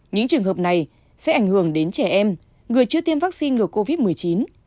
những trường hợp này sẽ ảnh hưởng đến trẻ em người chưa tiêm vaccine ngừa covid một mươi chín